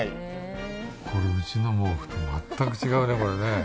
これうちの毛布と全く違うねこれね。